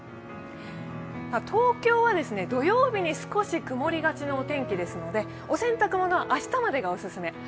東京は土曜日に少し曇りがちのお天気ですのでお洗濯物は明日までがオススメ。